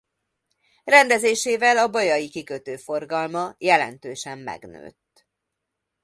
Rendezésével a bajai kikötő forgalma jelentősen megnőtt.